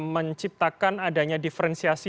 menciptakan adanya diferensiasi